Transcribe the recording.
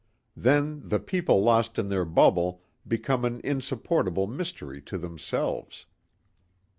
Then the people lost in their bubble become an insupportable mystery to themselves.